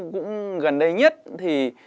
cũng gần đây nhất thì